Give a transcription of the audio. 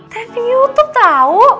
trending youtube tau